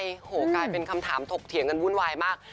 โอ้โหกลายเป็นคำถามถกเถียงกันวุ่นวายมาก